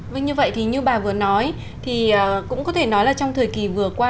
vâng như vậy thì như bà vừa nói thì cũng có thể nói là trong thời kỳ vừa qua